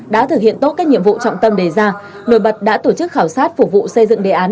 đã thực hiện tốt các nhiệm vụ trọng tâm đề ra nổi bật đã tổ chức khảo sát phục vụ xây dựng đề án